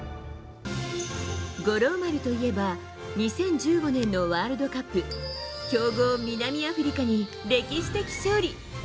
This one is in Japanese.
五郎丸といえば２０１５年のワールドカップ強豪・南アフリカに歴史的勝利。